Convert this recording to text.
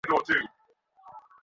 লোক এল– বর শোবার ঘরে গেছে, বউ কোথায়?